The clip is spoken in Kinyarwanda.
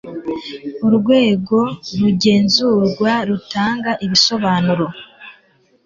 urwego rugenzurwa rutanga ibisobanuro